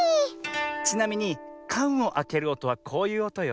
ちなみにかんをあけるおとはこういうおとよ。